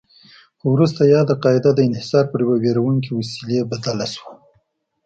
خو وروسته یاده قاعده د انحصار پر یوه ویروونکې وسیله بدله شوه.